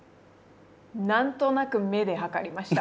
何となく目で測りました。